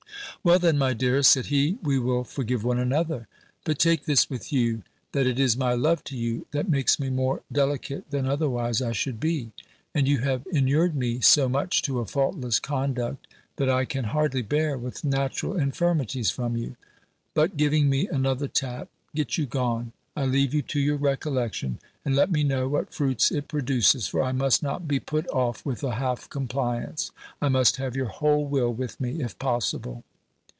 "Well, then, my dearest," said he, "we will forgive one another? but take this with you, that it is my love to you that makes me more delicate than otherwise I should be; and you have inured me so much to a faultless conduct, that I can hardly bear with natural infirmities from you. But," giving me another tap, "get you gone; I leave you to your recollection; and let me know what fruits it produces: for I must not be put off with a half compliance; I must have your whole will with me, if possible."